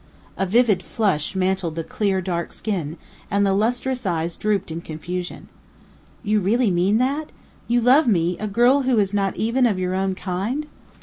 A vivid flush mantled the clear, dark skin, and the lustrous eyes drooped in confusion. "You really mean that? You love me, a girl who is not even of your own kind?"